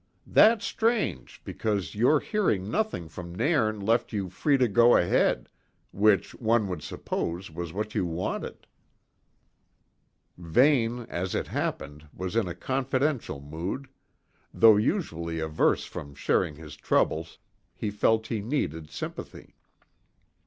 "That's strange, because your hearing nothing from Nairn left you free to go ahead, which, one would suppose, was what you wanted." Vane, as it happened, was in a confidential mood; though usually averse from sharing his troubles, he felt he needed sympathy.